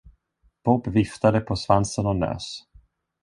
Bob viftade på svansen och nös.